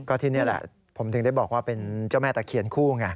ก็ที่นี่แหละผมถึงได้บอกว่าเป็นเจ้าแม่ตะเคียนคู่ไง